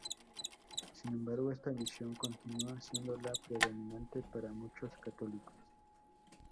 Sin embargo, esta visión continúa siendo la predominante para muchos católicos.